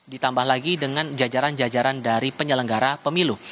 ditambah lagi dengan jajaran jajaran dari penyelenggara pemilu